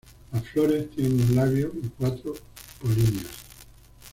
Las flores tienen un labio y cuatro polinias.